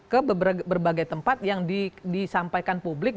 ke berbagai tempat yang disampaikan publik